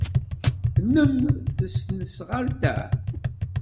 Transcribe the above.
Nnem tesnasɣalt-a?